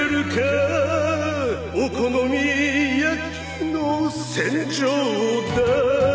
「お好み焼きの戦場だ！」